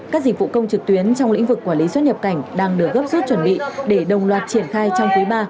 các dịch vụ công trực tuyến trong lĩnh vực quản lý xuất nhập cảnh đang được gấp rút chuẩn bị để đồng loạt triển khai trong quý ba